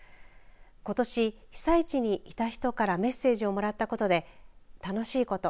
ことし被災地にいた人からメッセージをもらったことで楽しいこと